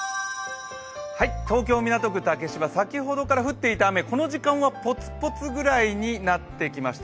東京・港区竹芝、先ほどから降っていた雨、この時間はポツポツぐらいになってきました。